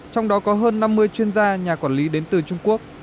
trong đó có hơn năm mươi chuyên gia nhà quản lý đến từ trung quốc